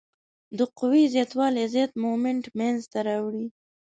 د قوې زیات والی زیات مومنټ منځته راوړي.